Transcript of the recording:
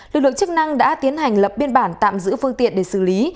lực lượng chức năng đã tiến hành lập biên bản tạm giữ phương tiện để xử lý